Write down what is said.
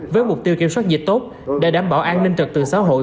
với mục tiêu kiểm soát dịch tốt để đảm bảo an ninh trực từ xã hội